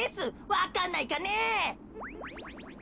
わかんないかねえ。